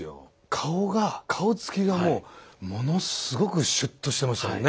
顔が顔つきがもうものすごくシュッとしてましたもんね。